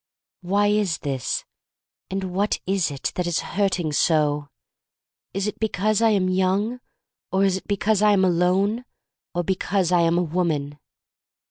Why is this — and what is it that is hurting so? Is it because I am young, or is it because I am alone, or because I am a woman?